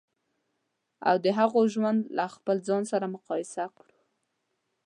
او د هغوی ژوند له خپل ځان سره مقایسه کړو.